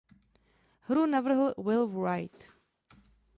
Hru navrhl Will Wright.